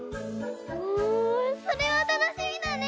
おおそれはたのしみだね！